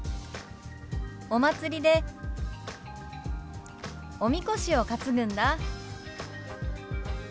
「お祭りでおみこしを担ぐんだ」。